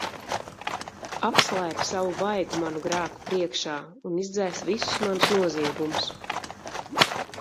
Apslēp Savu vaigu manu grēku priekšā un izdzēs visus manus noziegumus!